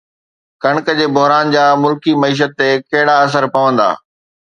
ڪڻڪ جي بحران جا ملڪي معيشت تي ڪهڙا اثر پوندا؟